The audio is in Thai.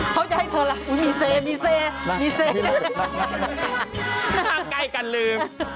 เขาจะให้เธอละอุ๊ยมีเซมีเซมีเซกันหลืม